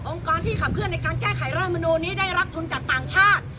กรที่ขับเคลื่อนในการแก้ไขรัฐมนูลนี้ได้รับทุนจากต่างชาติ